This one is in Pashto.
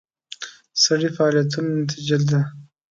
سړي فعالیتونو نتیجه ده.